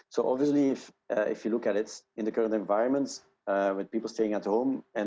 jika anda melihatnya dalam lingkungan sekarang dengan orang orang yang tinggal di rumah